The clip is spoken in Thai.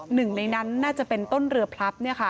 หนึ่งในนั้นน่าจะเป็นต้นเรือพลับ